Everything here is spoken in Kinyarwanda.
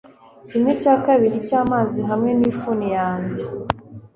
kimwe cya kabiri cyamazi, hamwe nifuni yanjye